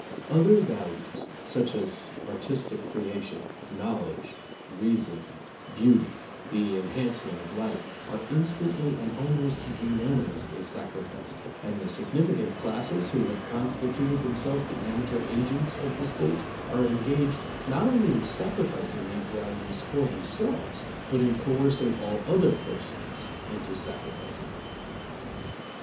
Other values such as artistic creation, knowledge, reason, beauty, the enhancement of life, are instantly and almost unanimously sacri ficed, and the significant classes who have con stituted themselves the amateur agents of the State, are engaged not only in sacrificing these values for themselves but in coercing all other persons into sacrificing them.